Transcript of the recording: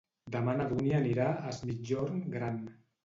Demà na Dúnia anirà a Es Migjorn Gran.